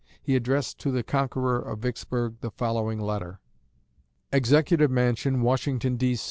He addressed to the conqueror of Vicksburg the following letter: EXECUTIVE MANSION, WASHINGTON, D.